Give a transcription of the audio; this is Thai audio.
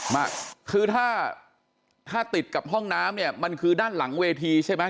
มาคือถ้าถ้าติดกับห้องน้ำเนี่ยมันคือด้านหลังเวทีใช่ไหม